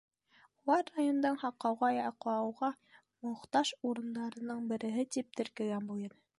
Улар райондың һаҡлауға, яҡлауға мохтаж урындарының береһе тип теркәгән был ерҙе.